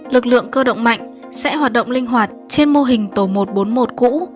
lực lượng cơ động mạnh sẽ hoạt động linh hoạt trên mô hình tổ một trăm bốn mươi một cũ